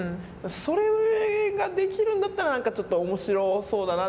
それができるんだったらなんかちょっとおもしろそうだな。